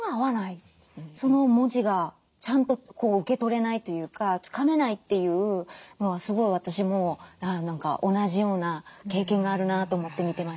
その文字がちゃんと受け取れないというかつかめないっていうのはすごい私も何か同じような経験があるなと思って見てました。